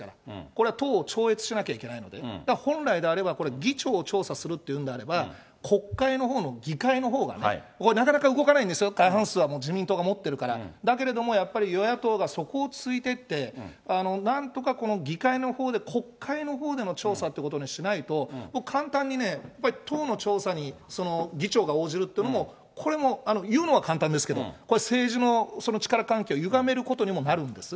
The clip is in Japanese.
これは党を超越しなきゃいけないので、本来であれば、これ、議長を調査するっていうんであれば、国会のほうの議会のほうがね、ここはなかなか動かないんですよ、過半数は自民党が持ってるから、だけれども、やっぱり与野党がそこをついていって、なんとかこの議会のほうで、国会のほうでの調査ということにしないと、簡単にね、やっぱり党の調査に議長が応じるっていうのも、これも、言うのは簡単ですけど、これ、政治の力関係をゆがめることにもなるんです。